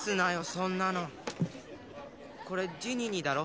そんなのこれジニーにだろ？